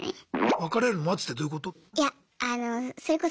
別れるの待つってどういうこと？